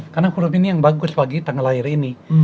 karena huruf ini yang bagus bagi tanggal lahir ini